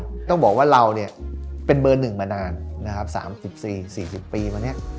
ต้องบอกว่าเราเนี่ยเป็นเบอร์๑มานานนะครับ๓๐๔๔๐ปีมาเนี่ย